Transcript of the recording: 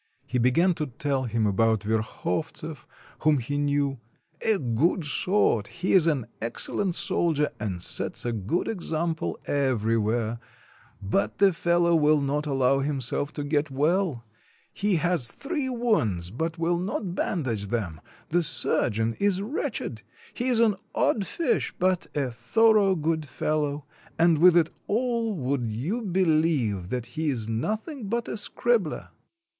He then began to tell him about Verkhovtseff, whom he knew. "A good sort; he is an excellent soldier, and sets a good example everywhere; but the fellow will not allow himself to get well; he has three wounds, but will not bandage them; the surgeon is wretched; he is an odd fish, but a thorough good fellow, and with it all would you beheve that he is nothing but a scribbler?"